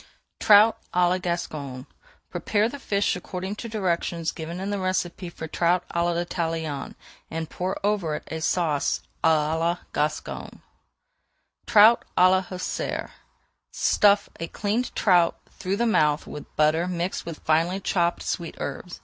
TROUT À LA GASCONNE Prepare the fish according to directions given in the recipe for trout à l'Italienne, and pour over it a Sauce à la Gasconne. TROUT À LA HUSSAR Stuff a cleaned trout through the mouth with butter mixed with finely chopped sweet herbs.